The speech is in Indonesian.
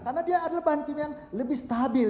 karena dia adalah bahan kimia yang lebih stabil